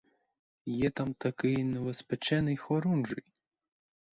Є там такий новоспечений хорунжий.